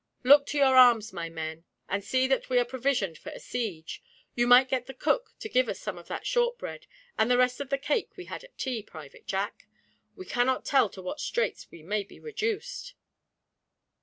'Look to your arms, my men, and see that we are provisioned for a siege (you might get the cook to give us some of that shortbread, and the rest of the cake we had at tea, Private Jack). We cannot tell to what straits we may be reduced.'